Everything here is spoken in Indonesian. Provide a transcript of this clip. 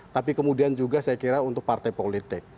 tapi kemudian juga saya kira untuk partai politik